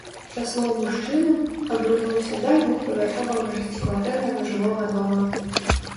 Са слоў мужчыны, абрынуўся дах двухпавярховага шасцікватэрнага жылога дома.